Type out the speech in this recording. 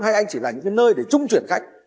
hay anh chỉ là những cái nơi để trung chuyển khách